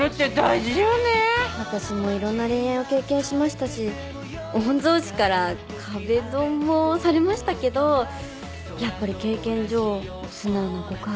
私もいろんな恋愛を経験しましたし御曹司から壁ドンもされましたけどやっぱり経験上素直な告白が一番ですね。